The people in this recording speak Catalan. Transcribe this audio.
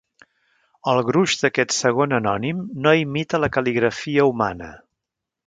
El gruix d'aquest segon anònim no imita la cal·ligrafia humana.